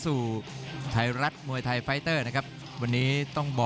ซึ่งเราถ่ายทอดสดจากมนตรีสตูดิโอ